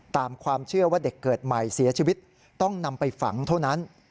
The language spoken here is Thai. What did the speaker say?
ตามความเชื่อว่าเด็กเกิดใหม่เสียชีวิตต้องนำไปฝังเท่านั้น